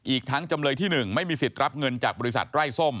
อีกทั้งจำเลยที่๑ไม่มีสิทธิ์รับเงินจากบริษัทไร้ส้ม